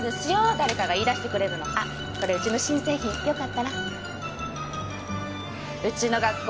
誰かが言い出してくれるのあっこれうちの新製品よかったらうちの学校